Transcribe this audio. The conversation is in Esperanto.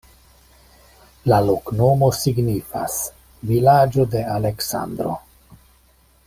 La loknomo signifas: vilaĝo de Aleksandro.